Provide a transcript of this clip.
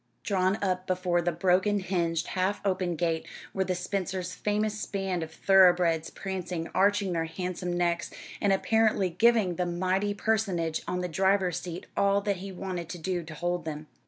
Drawn up before the broken hinged, half open gate, were the Spencers' famous span of thoroughbreds, prancing, arching their handsome necks, and apparently giving the mighty personage on the driver's seat all that he wanted to do to hold them.